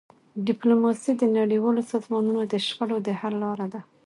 ډيپلوماسي د نړیوالو سازمانونو د شخړو د حل لاره ده.